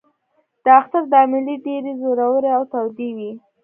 د اختر دا مېلې ډېرې زورورې او تودې وې.